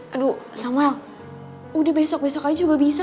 aduh samuel udah besok besok aja juga bisa